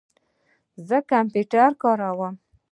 زه کمپیوټر کاروم